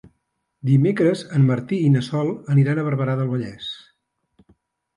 Dimecres en Martí i na Sol aniran a Barberà del Vallès.